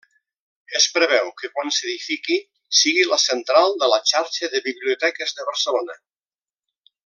Es preveu que quan s'edifiqui sigui la central de la xarxa de biblioteques de Barcelona.